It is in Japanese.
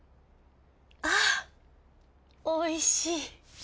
あおいしい。